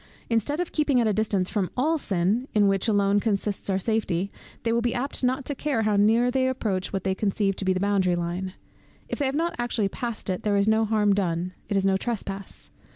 Instead of keeping at a distance from all sin, in which alone consists our safety, they will be apt not to care how near they approach what they conceive to be the boundary line; if they have not actually passed it, there is no harm done, it is no trespass.